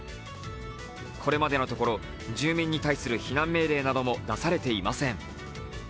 これまでのところ住民に対する避難命令なども出されていません。